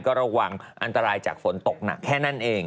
ก็ระวังอันตรายจากฝนตกหนักแค่นั้นเอง